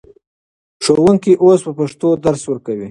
ښوونکي اوس په پښتو درس ورکوي.